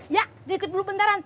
ya nitip dulu bentaran